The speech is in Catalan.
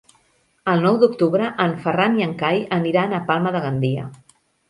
El nou d'octubre en Ferran i en Cai aniran a Palma de Gandia.